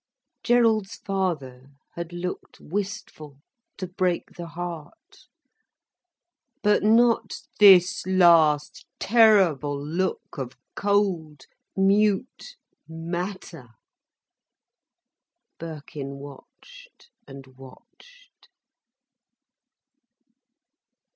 Gerald's father had looked wistful, to break the heart: but not this last terrible look of cold, mute Matter. Birkin watched and watched.